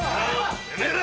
てめえら！